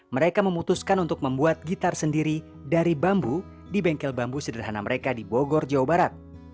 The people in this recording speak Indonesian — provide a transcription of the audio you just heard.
mereka memutuskan untuk membuat gitar sendiri dari bambu di bengkel bambu sederhana mereka di bogor jawa barat